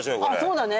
そうだね。